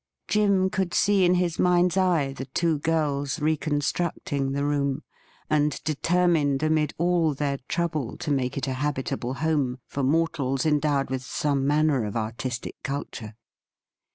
Jim could see in his mind's eye the two girls reconstructing the room, and determined amid all their trouble to make it a habitable home for mortals endowed with some manner of artistic culture.